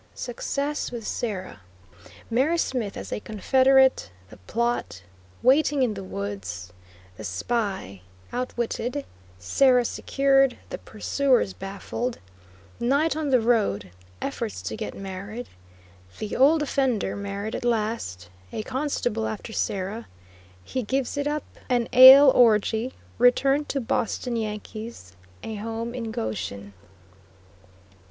SUCCESS WITH SARAH. MARY SMITH AS A CONFEDERATE THE PLOT WAITING IN THE WOODS THE SPY OUTWITTED SARAH SECURED THE PURSUERS BAFFLED NIGHT ON THE ROAD EFFORTS TO GET MARRIED THE "OLD OFFENDER" MARRIED AT LAST A CONSTABLE AFTER SARAH HE GIVES IT UP AN ALE ORGIE RETURN TO "BOSTON YANKEE'S" A HOME IN GOSHEN.